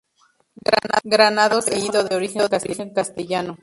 Granados es un apellido de origen castellano.